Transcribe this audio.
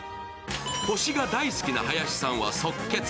星が大好きな林さんは即決。